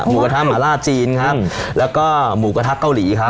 หมูกระทะหมาล่าจีนครับแล้วก็หมูกระทะเกาหลีครับ